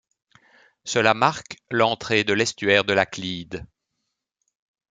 Cela marque l'entrée de l'estuaire de la Clyde.